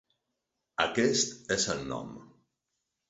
Aquest és el nom.